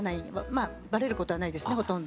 まあバレることはないですねほとんど。